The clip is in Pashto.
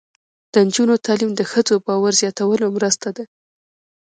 د نجونو تعلیم د ښځو باور زیاتولو مرسته ده.